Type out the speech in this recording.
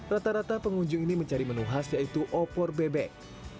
rata rata pengunjung ini mencari menu khas yaitu opor bebek